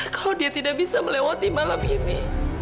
kalau dia tidak bisa melewati malam ini